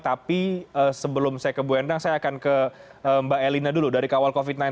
tapi sebelum saya ke bu endang saya akan ke mbak elina dulu dari kawal covid sembilan belas